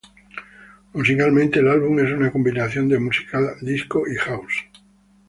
Musicalmente, el álbum es una combinación de música disco y "house".